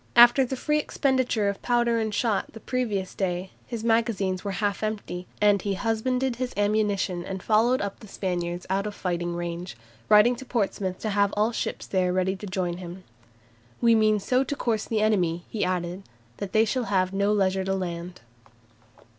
After the free expenditure of powder and shot the previous day, his magazines were half empty, and he husbanded his ammunition and followed up the Spaniards out of fighting range, writing to Portsmouth to have all ships there ready to join him. "We mean so to course the enemy," he added, "that they shall have no leisure to land."